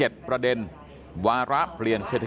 การสอบส่วนแล้วนะ